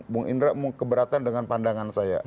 bung indra keberatan dengan pandangan saya